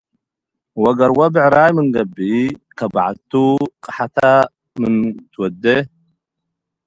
ወገርዋ ብዕራይ ምንገብእ - ከበዐልቱ ቀሐተ ምን ትወዴ